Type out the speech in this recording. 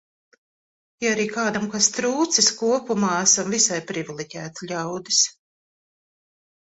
Ja arī kādam kas trūcis, kopumā esam visai priviliģēti ļaudis.